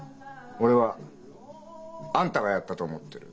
俺はあんたがやったと思ってる。